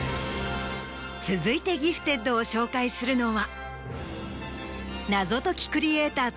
続いてギフテッドを紹介するのは。